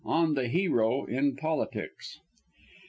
ON THE HERO IN POLITICS.